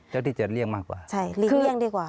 แล้วที่จะลีกเลี่ยงมากกว่า